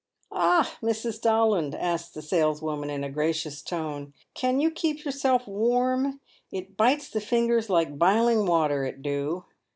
" Ah ! Mrs. Dolland," asks the saleswoman, in a gracious tone, 11 can you keep yourself warm ? It bites the fingers like biling water, it do."